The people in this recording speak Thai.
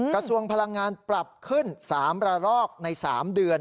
กระทรวงพลังงานปรับขึ้น๓ระลอกใน๓เดือน